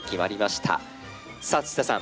さあ土田さん